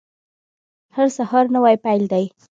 هر سهار نوی پیل دی